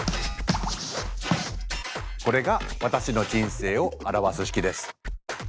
これが私の人生を表す式です。